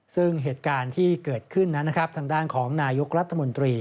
ซึ่งเหตุการณ์ที่เกิดขึ้นนั้นนะครับทางด้านของนายกรัฐมนตรี